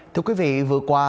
thưa quý vị vừa qua